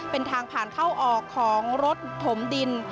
เป็นทางผ่านเข้าออกของรถถมดิน